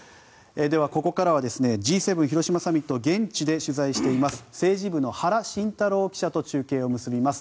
ここからはＧ７広島サミットを現地で取材している政治部の原慎太郎記者と中継を結びます。